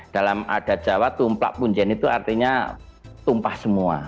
dalam adat jawa tumplak punjen itu artinya tumpah semua